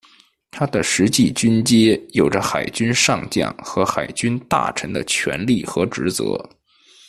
他的实际军阶有着海军上将和海军大臣的权力和职责。